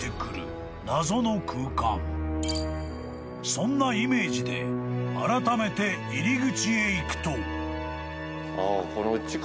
［そんなイメージであらためて入り口へ行くと］